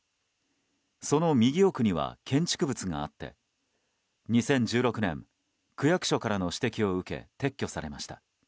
その右奥には建築物があって２０１６年区役所からの指摘を受け撤去されました。